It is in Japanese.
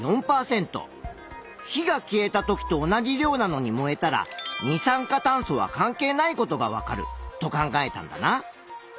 火が消えた時と同じ量なのに燃えたら二酸化炭素は関係ないことがわかると考えたんだな。